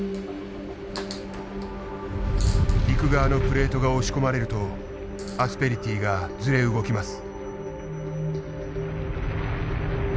陸側のプレートが押し込まれるとアスペリティーがずれ動きます。